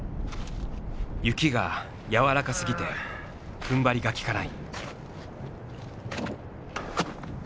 雪がやわらかすぎてふんばりが利かない。